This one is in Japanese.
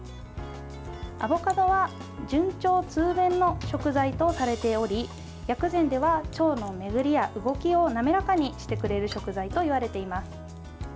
アボカドは潤腸通便の食材とされており薬膳では、腸の巡りや動きを滑らかにしてくれる食材といわれています。